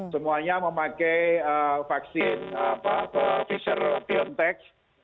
semuanya memakai vaksin pfizer biontech